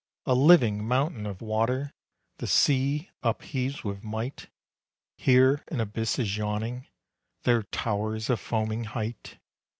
A living mountain of water The sea upheaves with might. Here an abyss is yawning; There towers a foaming height.